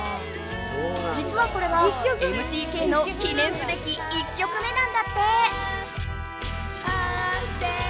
じつはこれがＭＴＫの記ねんすべき１曲目なんだって！